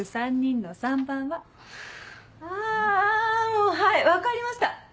もうはい分かりました。